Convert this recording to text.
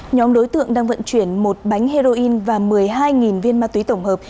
nhóm đối tượng đang vận chuyển một bánh heroin và một mươi hai viên ma túy tổng hợp